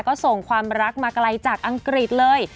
ก็ส่งความรักมาไกลจากอังกฤษเลย